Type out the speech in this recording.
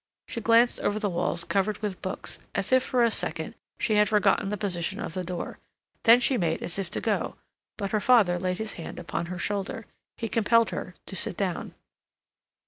She glanced over the walls covered with books, as if for a second she had forgotten the position of the door. Then she made as if to go, but her father laid his hand upon her shoulder. He compelled her to sit down.